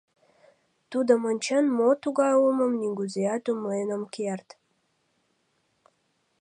Тудым ончен, мо тугай улмым нигузеат умылен ом керт.